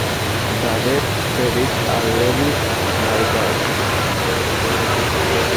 The red berries are relished by birds.